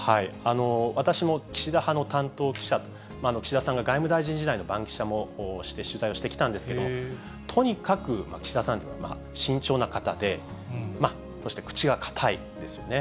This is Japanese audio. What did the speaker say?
私も岸田派の担当記者、岸田さんが外務大臣時代の番記者もして、取材をしてきたんですけれども、とにかく岸田さんは慎重な方で、そして口が堅いですよね。